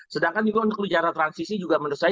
sedangkan juga untuk bicara transisi juga menurut saya